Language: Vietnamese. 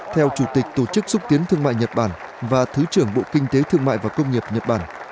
theo chủ tịch tổ chức xúc tiến thương mại nhật bản và thứ trưởng bộ kinh tế thương mại và công nghiệp nhật bản